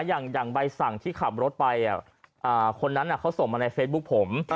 อย่างใบสั่งที่ขับรถไปคนนั้นเขาส่งมาในเฟซบุ๊คผม